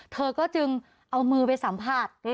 เธอก็จึงเอามือไปสัมภาษณ์